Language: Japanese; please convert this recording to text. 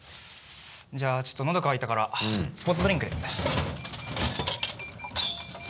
じゃあちょっとのど渇いたからスポーツドリンク。